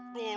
aduh ya dik